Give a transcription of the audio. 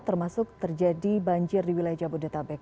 termasuk terjadi banjir di wilayah jabodetabek